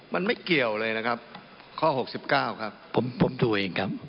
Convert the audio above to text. มันไม่เกี่ยวเลยนะครับข้อหกสิบเก้าครับผมผมดูเองครับ